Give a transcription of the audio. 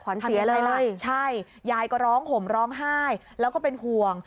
เสียเลยล่ะใช่ยายก็ร้องห่มร้องไห้แล้วก็เป็นห่วง